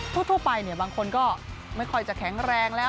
ทั่วไปบางคนก็ไม่ค่อยจะแข็งแรงแล้ว